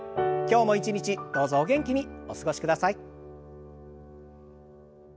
今日も一日どうぞお元気にお過ごしください。